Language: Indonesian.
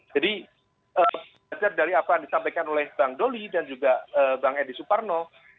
jadi dari apa yang disampaikan oleh bang dolly dan juga bang edi suparno